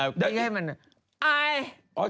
พี่ให้มันอาย